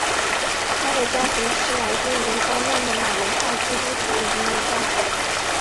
他的家庭是来自黎巴嫩的马龙派基督徒移民家庭。